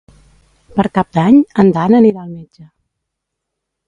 Per Cap d'Any en Dan anirà al metge.